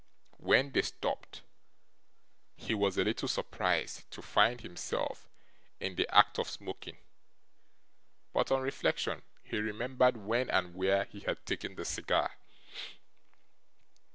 When they stopped, he was a little surprised to find himself in the act of smoking; but, on reflection, he remembered when and where he had taken the cigar.